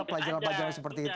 pelajaran pelajaran seperti itu